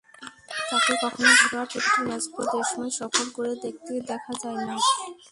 তাঁকে কখনো ঘরোয়া ক্রিকেটের ম্যাচগুলো দেশময় সফর করে দেখতে দেখা যায় না।